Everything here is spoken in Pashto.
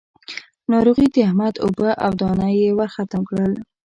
ناروغي د احمد اوبه او دانه يې ورختم کړل.